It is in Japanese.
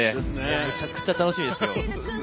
めちゃくちゃ楽しみです。